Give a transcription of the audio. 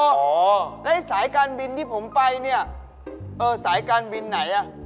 แล้วจากสายการบินที่ผมไปตายสายการบินไหน